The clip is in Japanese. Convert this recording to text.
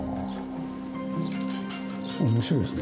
面白いですね